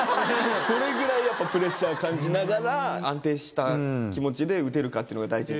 それぐらいやっぱプレッシャー感じながら、安定した気持ちでうてるかっていうのが大事。